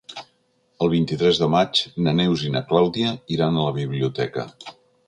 El vint-i-tres de maig na Neus i na Clàudia iran a la biblioteca.